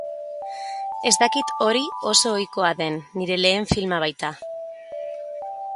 Ez dakit hori oso ohikoa den, nire lehen filma baita.